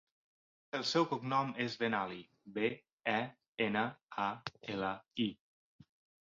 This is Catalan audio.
El seu cognom és Benali: be, e, ena, a, ela, i.